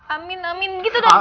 amin amin gitu dong